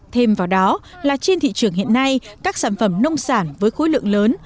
thêm vào đó là trên thị trường hiện nay các sản phẩm nông sản với khối lượng lớn